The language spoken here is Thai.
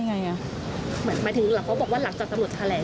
หมายถึงเขาบอกว่าหลังจากตำรวจแทร่ง